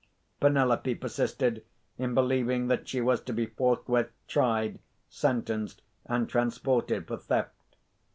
Penelope persisted in believing that she was to be forthwith tried, sentenced, and transported for theft.